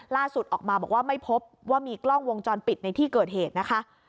ล่าสุดออกมาบอกว่าไม่พบว่ามีกล้องวงจรปิดในที่เกิดเหตุนะคะ